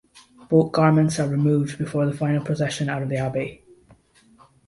Both garments are removed before the final procession out of the abbey.